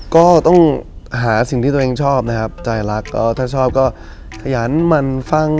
ก็ต้องหาสิ่งที่ตัวเองชอบนะครับใจรักก็ถ้าชอบก็ขยันมันฟัง